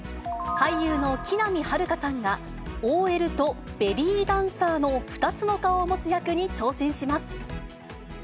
俳優の木南晴夏さんが、ＯＬとベリーダンサーの２つの顔を持つ役に挑戦します。